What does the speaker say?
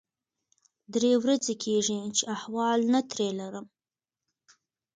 درې ورځې کېږي چې احوال نه ترې لرم.